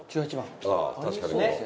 ああ確かに。